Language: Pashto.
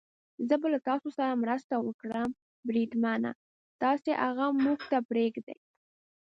زه به له تاسو سره مرسته وکړم، بریدمنه، تاسې هغه موږ ته پرېږدئ.